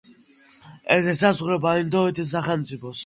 ის ესაზღვრება ინდოეთის სახელმწიფოს.